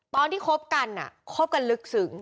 ตอนที่คบกันคบกันลึกสึง